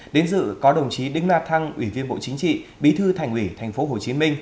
đến dự có đồng chí đinh la thăng ủy viên bộ chính trị bí thư thành ủy tp hcm